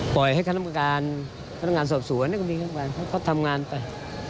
ปล่อยให้คันธรรมการคันธรรมงานสอบสู่อันนี้ก็มีคันธรรมการเขาทำงานไป